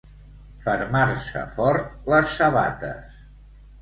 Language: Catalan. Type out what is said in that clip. Fermar-se fort les sabates.